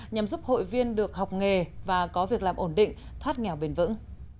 nhằm giúp hội viên được học nghề và có việc làm ổn định thoát nghèo bền vững